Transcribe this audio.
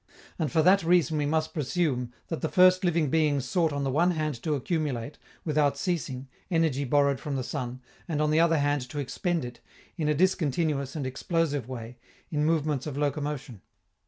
And for that reason we must presume that the first living beings sought on the one hand to accumulate, without ceasing, energy borrowed from the sun, and on the other hand to expend it, in a discontinuous and explosive way, in movements of locomotion.